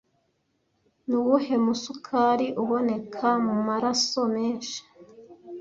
Ni uwuhe musukari uboneka mu maraso menshi